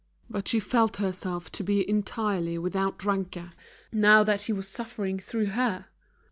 But she felt herself to be entirely without rancour, now that he was suffering through her.